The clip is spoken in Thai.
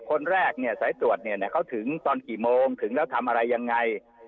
คนแรกเนี่ยสายตรวจเนี่ยเขาถึงตอนกี่โมงถึงแล้วทำอะไรยังไง